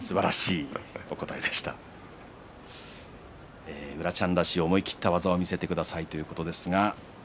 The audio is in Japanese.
メッセージで宇良ちゃんらしい思い切った技を見せてくださいということです。